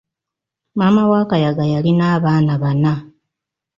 Maama wa Kayaga yalina abaana bana.